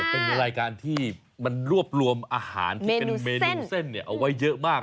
เป็นรายการที่มันรวบรวมอาหารที่เป็นเมนูเส้นเอาไว้เยอะมาก